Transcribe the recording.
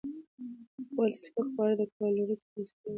هغه وویل چې سپک خواړه د کالورۍ ترلاسه کولو مهمه برخه ده.